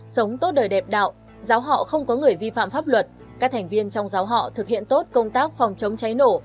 sống tốt đời đẹp đạo giáo họ không có người vi phạm pháp luật các thành viên trong giáo họ thực hiện tốt công tác phòng chống cháy nổ